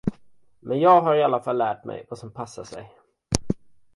Men jag har i alla fall lärt mig, vad som passar sig.